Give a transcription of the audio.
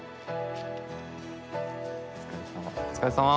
お疲れさま。